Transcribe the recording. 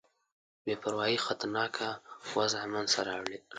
بې پروايي خطرناکه وضع منځته راوړې ده.